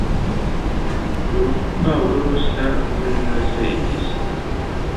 urupauro rusa nurumaza igihe